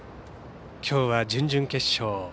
きょうは準々決勝。